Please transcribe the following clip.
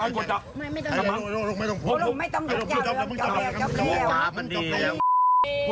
พวกเราไม่ต้องหยุดเจ้าเลยมันจับแล้วมันจับแล้ว